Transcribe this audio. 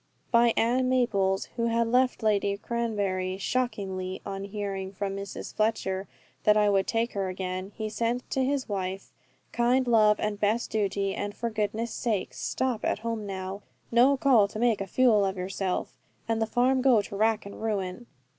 By Ann Maples, who had left Lady Cranberry "shockingly," on hearing from Mrs. Fletcher that I would take her again, he sent to his wife "kind love and best duty, and for goodness' sake, stop at home now. No call to make a fule of yourself, and the farm go to rack and ruin.